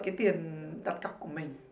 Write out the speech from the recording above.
cái tiền đặt cọc của mình